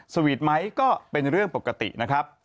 สวีทไหมก็เป็นเรื่องปกตินะครับ